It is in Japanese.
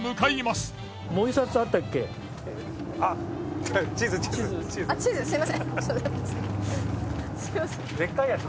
すみません。